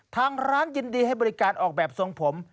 ทางร้านยินดีให้บริการออกแบบทรงผม